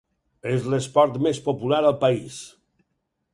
És l'esport més popular al país.